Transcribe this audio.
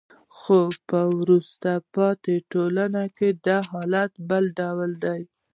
خو په وروسته پاتې ټولنو کې حالت بل ډول دی.